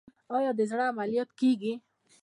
آیا د زړه عملیات کیږي؟